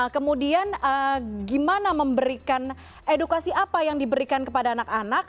kemudian gimana memberikan edukasi apa yang diberikan kepada anak anak